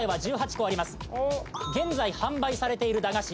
現在販売されている駄菓子